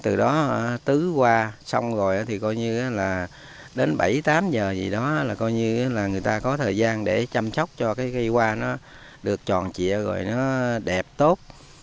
từ đó tứ hoa xong rồi thì coi như là đến bảy tám giờ gì đó là coi như là người ta có thời gian để chăm sóc cho cái cây hoa nó được tròn trịa rồi nó đẹp tốt